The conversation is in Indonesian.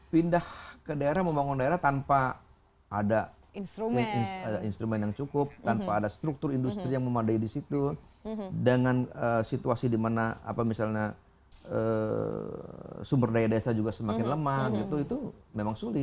pindah ke daerah membangun daerah tanpa ada instrumen yang cukup tanpa ada struktur industri yang memadai di situ dengan situasi di mana misalnya sumber daya desa juga semakin lemah gitu itu memang sulit